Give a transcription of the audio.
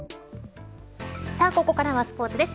さあここからはスポーツです。